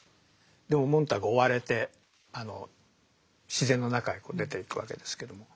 でもモンターグは追われて自然の中へ出ていくわけですけども。